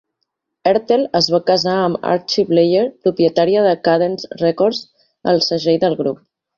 Ertel es va casar amb Archie Bleyer, propietària de Cadence Records, el segell del grup.